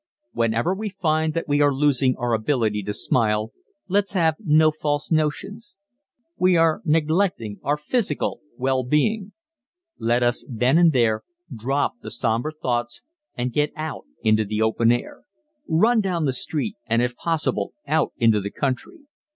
Whenever we find that we are losing our ability to smile let's have no false notions. We are neglecting our physical well being. Let us then and there drop the sombre thoughts and get out into the open air. Run down the street and if possible out into the country.